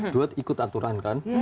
dua ikut aturan kan